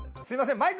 すいません